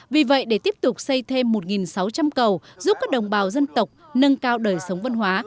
vì vậy để tiếp tục xây thêm một sáu trăm linh cầu giúp các đồng bào dân tộc nâng cao đời sống văn hóa